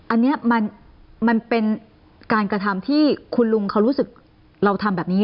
อันนี้มันเป็นการกระทำที่คุณลุงเขารู้สึกเราทำแบบนี้